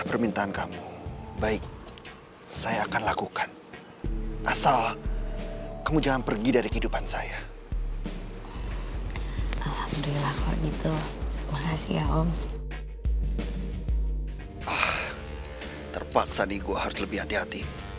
terpaksa nih gue harus lebih hati hati